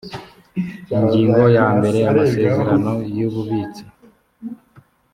ingingo ya mbere amasezerano y ububitsi